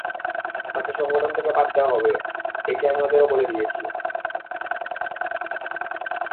তাঁকে সংগঠন থেকে বাদ দেওয়া হবে, এটি আমি ওদেরও বলে দিয়েছি।